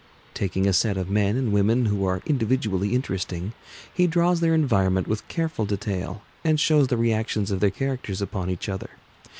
Taking a set of men and women who are individually interesting, he draws their environment with careful detail and shows the reactions of their characters upon each other.